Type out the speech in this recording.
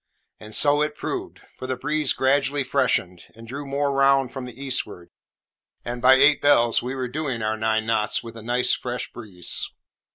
And so it proved, for the breeze gradually freshened, and drew more round from the eastward, and by eight bells we were doing our nine knots, with a nice fresh breeze.